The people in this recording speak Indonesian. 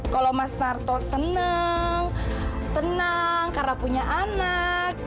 kalau mas narto senang tenang karena punya anak